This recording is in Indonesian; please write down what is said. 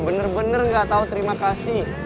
bener bener nggak tau terima kasih